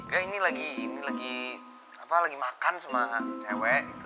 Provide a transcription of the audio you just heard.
kayaknya ini lagi ini lagi apa lagi makan sama cewek